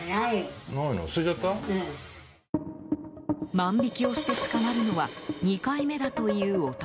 万引きをして捕まるのは２回目だという男。